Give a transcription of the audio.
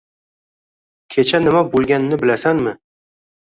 Kecha nima bo`lganini bilasanmi